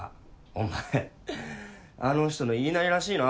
お前あの人の言いなりらしいな。